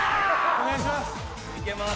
お願いします。